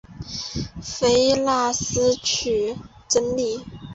菲腊斯娶茱莉。